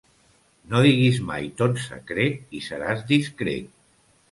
No diguis mai ton secret i seràs discret.